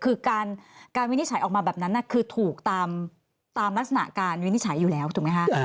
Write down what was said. คือการวินิจฉัยออกมาแบบนั้นคือถูกตามลักษณะการวินิจฉัยอยู่แล้วถูกไหมคะ